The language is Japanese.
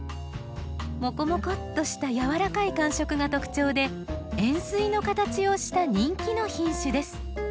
もこもこっとしたやわらかい感触が特徴で円すいの形をした人気の品種です。